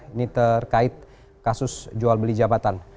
ini terkait kasus jual beli jabatan